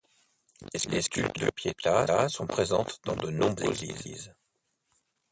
Les sculptures de pietà sont présentes dans de nombreuses églises.